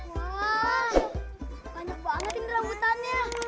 wah banyak banget ini rambutannya